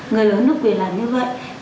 người lớn được quyền làm như vậy